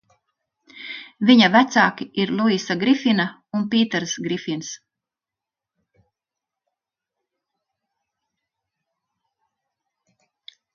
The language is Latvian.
Viņa vecāki ir Luisa Grifina un Pīters Grifins.